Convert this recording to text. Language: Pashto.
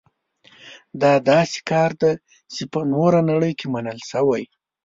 دا داسې کار دی چې په نوره نړۍ کې منل شوی.